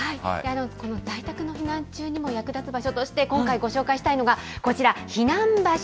この在宅の避難中にも役立つ場所として、今回、ご紹介したいのがこちら、避難場所。